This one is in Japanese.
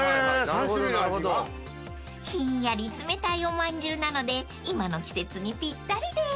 ［ひんやり冷たいおまんじゅうなので今の季節にぴったりです］